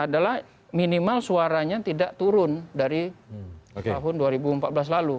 adalah minimal suaranya tidak turun dari tahun dua ribu empat belas lalu